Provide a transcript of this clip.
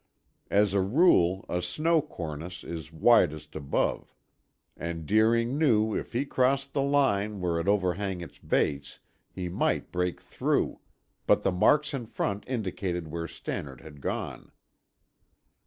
As a rule, a snow cornice is widest above, and Deering knew if he crossed the line where it overhung its base he might break through, but the marks in front indicated where Stannard had gone.